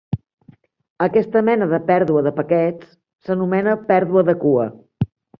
Aquesta mena de pèrdua de paquets s'anomena pèrdua de cua.